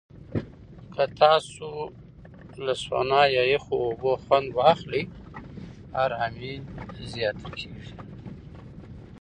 که تاسو له سونا یا یخو اوبو خوند واخلئ، آرامۍ زیاته کېږي.